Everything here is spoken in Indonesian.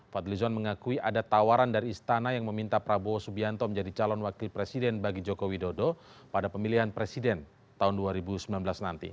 fadlizon mengakui ada tawaran dari istana yang meminta prabowo subianto menjadi calon wakil presiden bagi jokowi dodo pada pemilihan presiden tahun dua ribu sembilan belas nanti